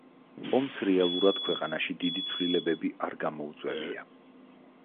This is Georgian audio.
ომს რეალურად ქვეყანაში დიდი ცვლილებები არ გამოუწვევია.